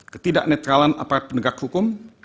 ketidaknetralan aparat pendegak hukum